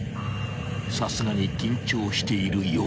［さすがに緊張している様子］